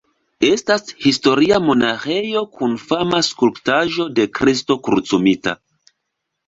Estas historia monaĥejo kun fama skulptaĵo de Kristo Krucumita.